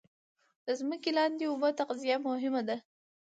د ځمکې لاندې اوبو تغذیه مهمه ده